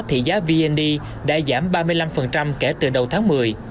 thì giá vnd đã giảm ba mươi năm kể từ đầu tháng một mươi